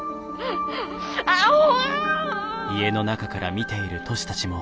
アホ！